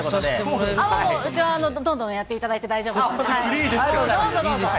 うちはどんどんやっていただいいですけど。